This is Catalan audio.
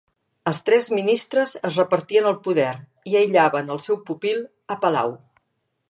Els tres ministres es repartien el poder i aïllaven al seu pupil a palau.